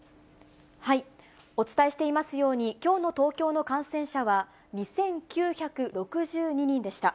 お伝えしていますように、きょうの東京の感染者は２９６２人でした。